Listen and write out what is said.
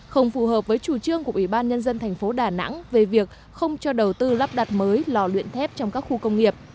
không phù hợp với chủ trương của ủy ban nhân dân thành phố đà nẵng về việc không cho đầu tư lắp đặt mới lò luyện thép trong các khu công nghiệp